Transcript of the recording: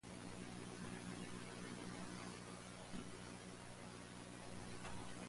Cyril and Methodius University in Skopje.